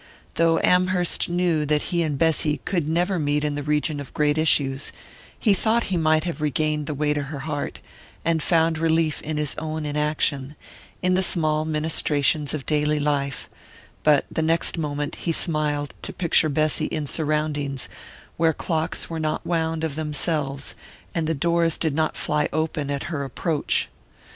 Though Amherst knew that he and Bessy could never meet in the region of great issues, he thought he might have regained the way to her heart, and found relief from his own inaction, in the small ministrations of daily life; but the next moment he smiled to picture Bessy in surroundings where the clocks were not wound of themselves and the doors did not fly open at her approach.